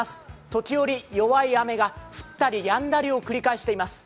時折弱い雨が降ったりやんだりを繰り返しています。